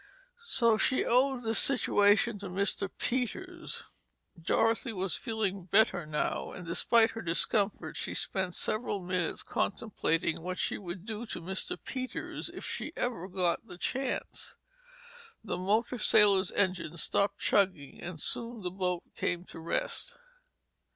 So she owed this situation to Mr. Peters. Dorothy was feeling better now and despite her discomfort she spent several minutes contemplating what she would do to Mr. Peters, if she ever got the chance. The motor sailor's engine stopped chugging and soon the boat came to rest.